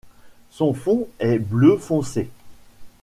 Son fond est bleu foncé.